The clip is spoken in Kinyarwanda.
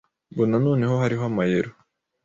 mbona noneho hariho amayero